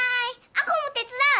亜子も手伝う！